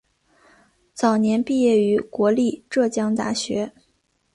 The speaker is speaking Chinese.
早年毕业于国立浙江大学。